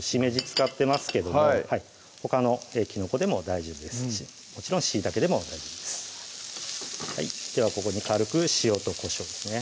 使ってますけどもほかのきのこでも大丈夫ですしもちろんしいたけでも大丈夫ですではここに軽く塩とこしょうですね